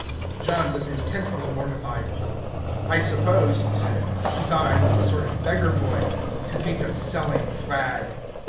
John was intensely mortified. "I suppose," he said, "she thought I was a sort of beggar boy. To think of selling flag!"